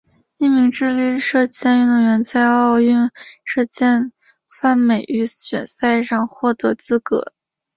一名智利射箭运动员在奥运射箭泛美预选赛上获得资格。